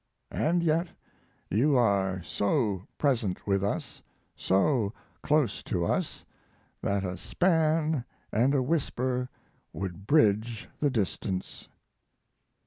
And yet you are so present with us, so close to us, that a span and a whisper would bridge the distance.